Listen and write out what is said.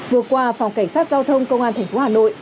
vừa qua phòng cảnh sát giao thông công an tp hà nội